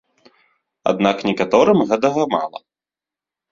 Аднак некаторым гэтага мала.